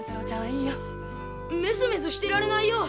メソメソしてられないよ